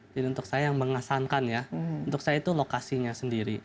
jadi untuk saya yang mengesankan ya untuk saya itu lokasinya sendiri